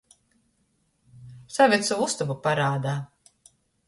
Saved sovu ustobu parādā!